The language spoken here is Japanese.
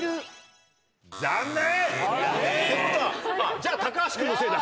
・じゃあ橋君のせいだ。